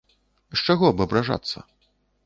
З чаго б абражацца?